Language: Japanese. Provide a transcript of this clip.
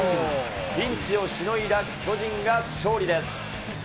ピンチをしのいだ巨人が勝利です。